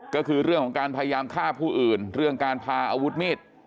ก็คือเรื่องของการพยายามฆ่าผู้อื่นเรื่องการพาอาวุธมีด